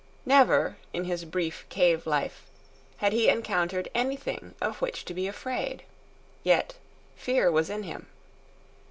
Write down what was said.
Never, in his brief cave life, had he encountered anything of which to be afraid. Yet fear was in him.